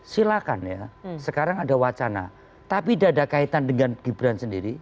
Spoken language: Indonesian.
silakan ya sekarang ada wacana tapi tidak ada kaitan dengan gibran sendiri